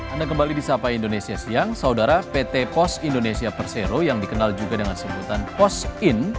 anda kembali di sapa indonesia siang saudara pt pos indonesia persero yang dikenal juga dengan sebutan pos in